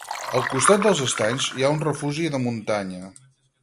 Al costat dels estanys hi ha un refugi de muntanya.